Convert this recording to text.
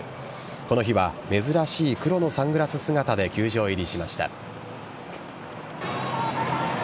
この日は珍しい黒のサングラス姿で球場入りしました。